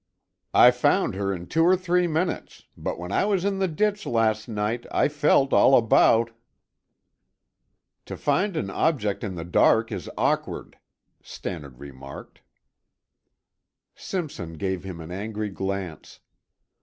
"I found her in two or three minutes, but when I was in the ditch last night I felt all about." "To find an object in the dark is awkward," Stannard remarked. Simpson gave him an angry glance.